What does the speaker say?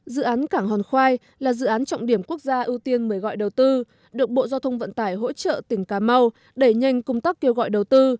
dự án cảng hòn khoai là dự án trọng điểm quốc gia ưu tiên mời gọi đầu tư được bộ giao thông vận tải hỗ trợ tỉnh cà mau đẩy nhanh công tác kêu gọi đầu tư